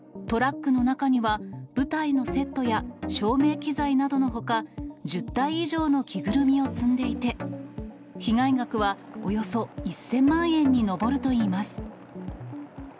トラックの中には、舞台のセットや、照明機材などのほか、１０体以上の着ぐるみを積んでいて、被害額はおよそ１０００万円に上るといいます。